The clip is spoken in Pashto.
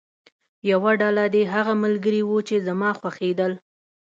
یوه ډله دې هغه ملګري وو چې زما خوښېدل.